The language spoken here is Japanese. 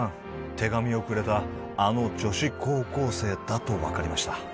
手紙をくれたあの女子高校生だと分かりました